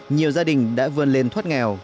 nhiều gia đình đã vươn lên thoát nghèo